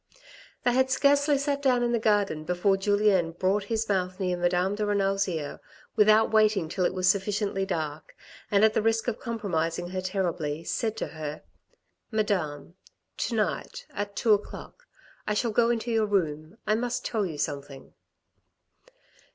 They had scarcely sat down in the garden before Julien brought his mouth near Madame de Renal's ear without waiting till it was sufficiently dark and at the risk of compromising her terribly, said to her, " Madame, to night, at two o'clock, I shall go into your room, I must tell you something."